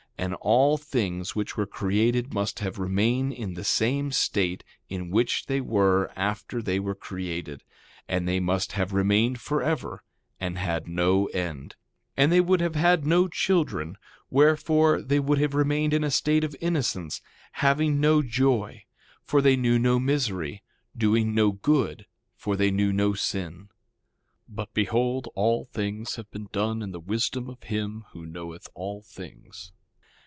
And all things which were created must have remained in the same state in which they were after they were created; and they must have remained forever, and had no end. 2:23 And they would have had no children; wherefore they would have remained in a state of innocence, having no joy, for they knew no misery; doing no good, for they knew no sin. 2:24 But behold, all things have been done in the wisdom of him who knoweth all things.